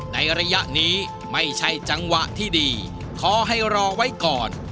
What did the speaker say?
ในระยะนี้ไม่ใช่จังหวะที่ดีขอให้รอไว้ก่อน